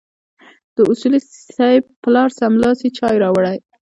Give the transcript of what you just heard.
د اصولي صیب پلار سملاسي چای راوړې.